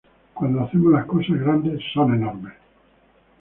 Cuando hacemos las cosas grandes, son enormes!